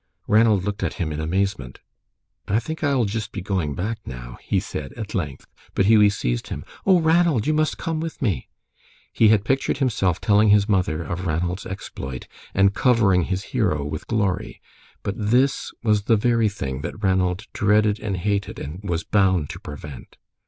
Ranald looked at him in amazement. "I think I will jist be going back now," he said, at length. But Hughie seized him. "Oh, Ranald, you must come with me." He had pictured himself telling his mother of Ranald's exploit, and covering his hero with glory. But this was the very thing that Ranald dreaded and hated, and was bound to prevent.